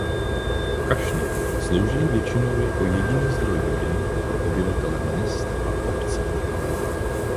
Kašny sloužily většinou jako jediný zdroj vody pro obyvatele měst a obcí.